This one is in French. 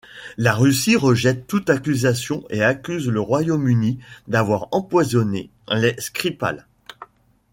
La Russie rejette toute accusation et accuse le Royaume-Uni d'avoir empoisonné les Skripal.